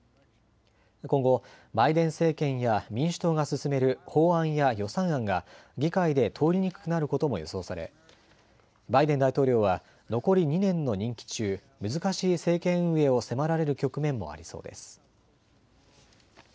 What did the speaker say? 今後、バイデン政権や民主党が進める法案や予算案が議会で通りにくくなることも予想され、バイデン大統領は残り２年の任期中、難しい政権運営を迫られる局面もありそうです。